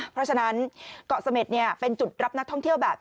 เพราะฉะนั้นเกาะเสม็ดเป็นจุดรับนักท่องเที่ยวแบบ